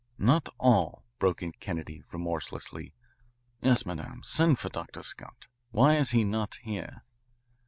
"Not all," broke in Kennedy remorselessly. "Yes, madame, send for Dr. Scott. Why is he not here?"